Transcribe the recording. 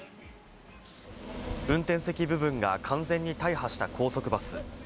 運転席部分が完全に大破した高速バス。